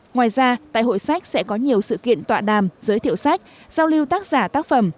ngoài ra tại hội sách sẽ có nhiều sự kiện tọa đàm giới thiệu sách giao lưu tác giả tác phẩm